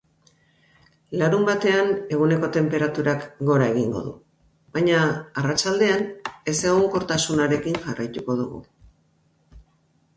Larunbatean, eguneko tenperaturak gora egingo du, baina arratsaldean ezegonkortasunarekin jarraituko dugu.